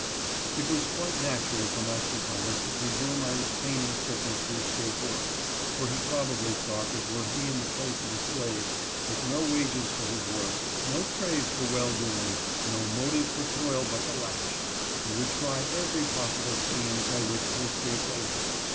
It was quite natural for Master Thomas to presume I was feigning sickness to escape work, for he probably thought that were he in the place of a slave, with no wages for his work, no praise for well doing, no motive for toil but the lash, he would try every possible scheme by which to escape labor.